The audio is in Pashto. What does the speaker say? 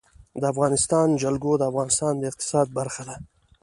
د افغانستان جلکو د افغانستان د اقتصاد برخه ده.